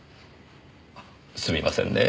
すみませんねぇ。